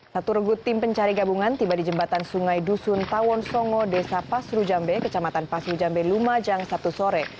satu regu tim pencari gabungan tiba di jembatan sungai dusun tawon songo desa pasrujambe kecamatan pasrujambe lumajang sabtu sore